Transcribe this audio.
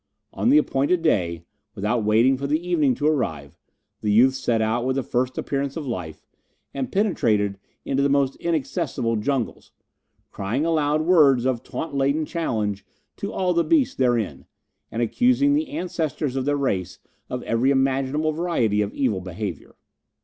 On the appointed day, without waiting for the evening to arrive, the youth set out with the first appearance of light, and penetrated into the most inaccessible jungles, crying aloud words of taunt laden challenge to all the beasts therein, and accusing the ancestors of their race of every imaginable variety of evil behaviour.